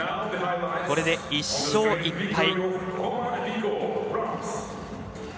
これで１勝１敗。